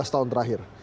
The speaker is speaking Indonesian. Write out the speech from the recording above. tiga belas tahun terakhir